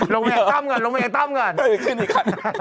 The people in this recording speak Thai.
ลงมาเอกต้อมก่อน